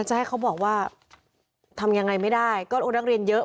จะให้เขาบอกว่าทำยังไงไม่ได้ก็นักเรียนเยอะ